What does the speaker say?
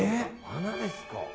穴ですか！？